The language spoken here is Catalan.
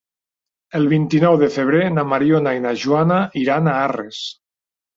El vint-i-nou de febrer na Mariona i na Joana iran a Arres.